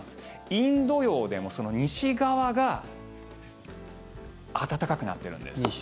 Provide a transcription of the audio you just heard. インド洋でも西側が暖かくなってるんです。